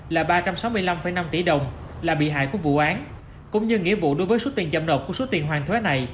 là ba trăm sáu mươi năm năm tỷ đồng là bị hại của vụ án cũng như nghĩa vụ đối với số tiền chậm nộp của số tiền hoàn thuế này